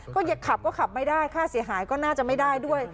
ก็ขับก็ขับไม่ได้ค่าเสียหายก็น่าจะไม่ได้ด้วย